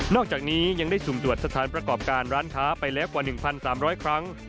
อกจากนี้ยังได้สุ่มตรวจสถานประกอบการร้านค้าไปแล้วกว่า๑๓๐๐ครั้ง